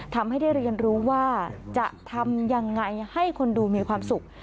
ทำให้ได้เรียนรู้ว่าจะทำยังไงให้คนดูมีความสุข